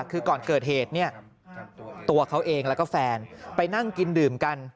คือก่อนเกิดเหตุเนี่ยตัวเขาเองแล้วก็แฟนไปนั่งกินดื่มกัน